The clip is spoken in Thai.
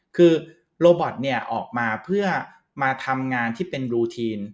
คือโรบอตเนี่ยออกมาเพื่อมาทำงานที่เป็นบลูทีน